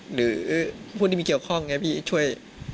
หรือผู้ที่มีเกี่ยวข้องไงพี่ช่วย